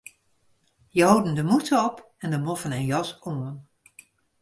Hja holden de mûtse op en de moffen en jas oan.